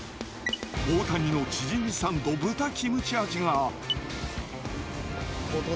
大谷のチヂミサンド、豚キムチ味が。